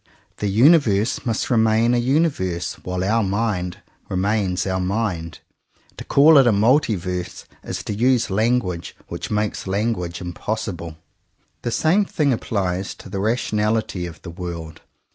The universe must remain a universe while our mind remains our mind. To call it a "multiverse" is to use language which makes language impossible. The same thing applies to the rationality of the world.